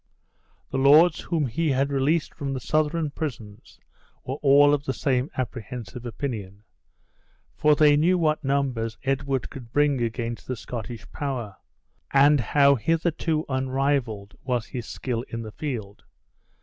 The lords whom he had released from the Southron prisons were all of the same apprehensive opinion; for they knew what numbers Edward could bring against the Scottish power, and how hitherto unrivaled was his skill in the field.